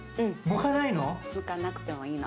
むかないの？